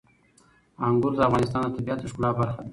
انګور د افغانستان د طبیعت د ښکلا برخه ده.